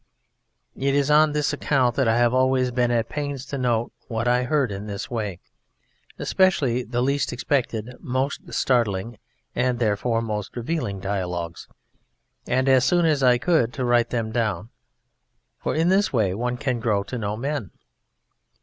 It is on this account that I have always been at pains to note what I heard in this way, especially the least expected, most startling, and therefore most revealing dialogues, and as soon as I could to write them down, for in this way one can grow to know men.